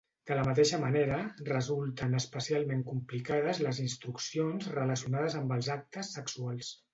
De la mateixa manera resulten especialment complicades les instruccions relacionades amb els actes sexuals.